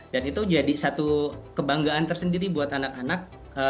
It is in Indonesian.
dan itu jadi satu kebanggaan tersendiri buat anak anak